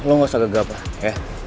lo gak usah geger apa ya